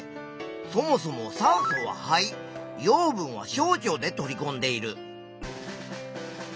そもそも酸素は肺養分は小腸で取りこんでいる。